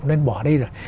nên bỏ đi rồi